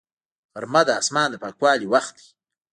غرمه د اسمان د پاکوالي وخت دی